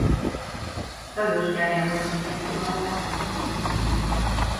Lajos gyámja hozta tető alá.